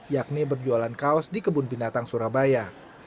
yakni berjualan kaos di kebun binatang surabaya